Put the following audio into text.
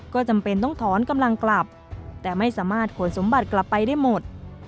ก็จำเป็นต้องถอนกำลังกลับแต่ไม่สามารถขนสมบัติกลับไปได้หมด